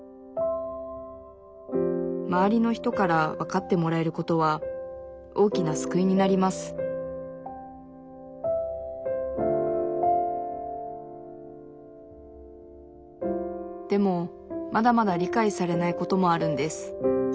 周りの人からわかってもらえることは大きな救いになりますでもまだまだ理解されないこともあるんです。